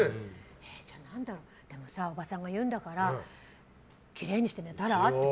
じゃあ何だろうでもおばさんが言うんだからきれいにして寝たら？って。